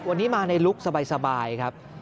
วันนี้มาในลุคสบายครับ